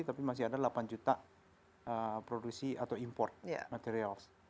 tapi masih ada delapan juta produksi atau import materials